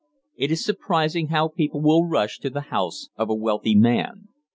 It is surprising how people will rush to the house of a wealthy man.